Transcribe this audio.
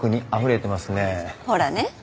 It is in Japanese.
ほらね。